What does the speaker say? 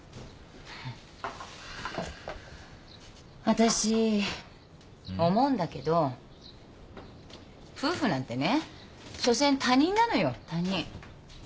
私思うんだけど夫婦なんてねしょせん他人なのよ他人。